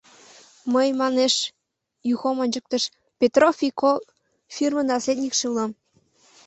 Мый, манеш, — Юхом ончыктыш, — «Петрофф и Ко» фирмын наследникше улам.